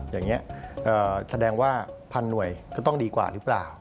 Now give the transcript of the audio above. อย่างนี้แสดงว่าพันหน่วยก็ต้องดีกว่าหรือเปล่า